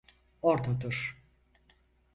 Orda dur!